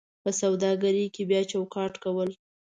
په سوداګرۍ کې بیا چوکاټ کول: